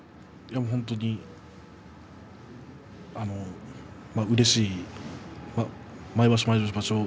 本当にうれしい毎場所、毎場所